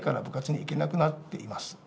「部活に行けなくなっています」